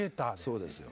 そうですよ。